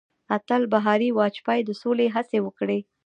اتل بهاري واجپايي د سولې هڅې وکړې.